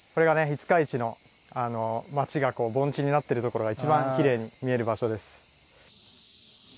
五日市の街が盆地になってるところが一番きれいに見える場所です。